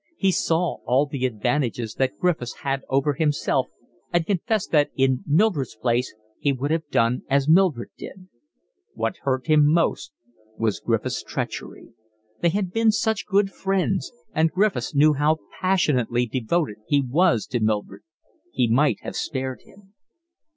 He saw all the advantages that Griffiths had over himself and confessed that in Mildred's place he would have done as Mildred did. What hurt him most was Griffiths' treachery; they had been such good friends, and Griffiths knew how passionately devoted he was to Mildred: he might have spared him.